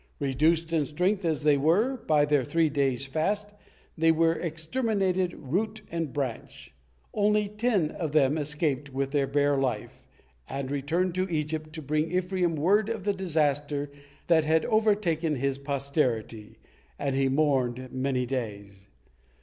Reduced in strength, as they were, by their three days' fast, they were exterminated root and branch. Only ten of them escaped with their bare life, and returned to Egypt, to bring Ephraim word of the disaster that had overtaken his posterity, and he mourned many days.